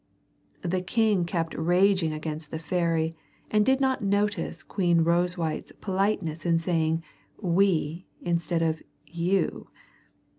The king kept raging against the fairy and did not notice Queen Rosewhite's politeness in saying "we" instead of "you."